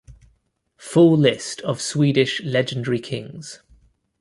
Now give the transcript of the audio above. Full list of Swedish legendary kings.